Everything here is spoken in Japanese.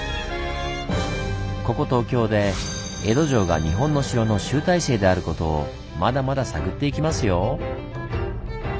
ここ東京で江戸城が日本の城の集大成であることをまだまだ探っていきますよ！